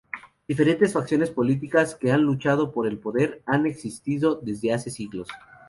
Diferentes facciones políticas que han luchado por el poder han existido desde hace siglos.